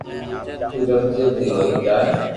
تو جلدو جلدو ھوئي جائيو